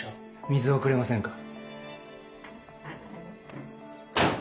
水をくれませんか？